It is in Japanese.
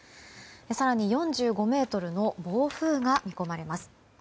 更に４５メートルの暴風雨が見込まれます。